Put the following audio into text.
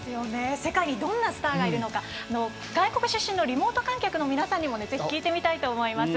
世界にどんなスターがいるのか外国出身のリモート観客の皆さんにもぜひ聞いてみたいと思います。